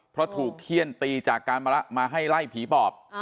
เพราะถูกเขี้ยนตีจากการมาให้ไล่ผีปอบ